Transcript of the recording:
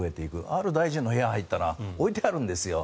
ある大臣の部屋に入ったら置いてあるんですよ。